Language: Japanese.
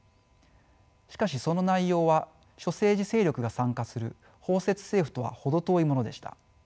しかしその内容は諸政治勢力が参加する包摂政府とは程遠いものでした。